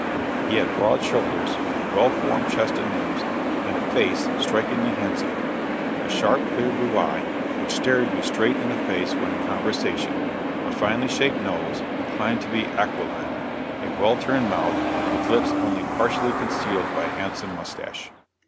He had broad shoulders, well formed chest and limbs, and a face strikingly handsome; a sharp, clear blue eye, which stared you straight in the face when in conversation; a finely shaped nose, inclined to be aquiline; a well turned mouth, with lips only partially concealed by a handsome moustache.